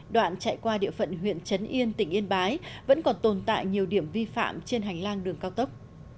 đoạn chạy qua địa phận huyện trấn yên tỉnh yên bái vẫn còn tồn tại nhiều điểm vi phạm trên hành lang đường cao tốc